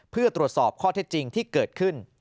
เพื่อตรวจสอบข้อเท็จจริงที่เกิดขึ้น